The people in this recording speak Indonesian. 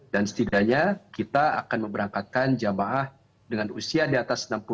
dan setidaknya kita akan memberangkatkan jemaah dengan usia di atas enam puluh lima tahun itu